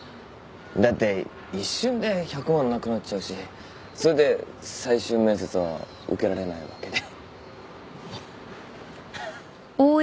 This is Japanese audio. だって一瞬で１００万なくなっちゃうしそれで最終面接は受けられないわけで。